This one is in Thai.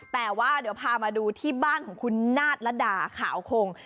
แต่ว่าเดี๋ยวพามาดูที่บ้านของคุณนาฏระดาขาวคง